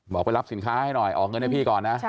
ไปรับสินค้าให้หน่อยออกเงินให้พี่ก่อนนะ